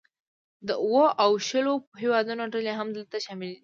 د اوو او شلو هیوادونو ډلې هم دلته شاملې دي